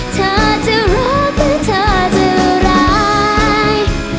เธอจะรักหรือเธอจะร้าย